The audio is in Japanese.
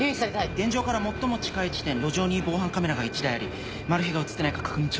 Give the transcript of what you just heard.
現場から最も近い地点路上に防犯カメラが１台ありマルヒが写ってないか確認中。